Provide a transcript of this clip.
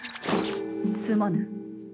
すまぬ。